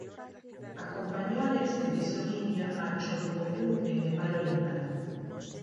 Acompañó a la "Expedición India" a Cho-Oyu en Nepal oriental.